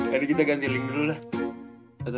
jadi kita ganti link dulu lah